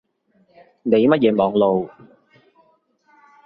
你乜嘢網路